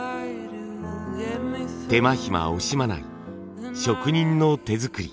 手間暇惜しまない職人の手作り。